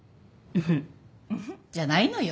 ウフッじゃないのよ。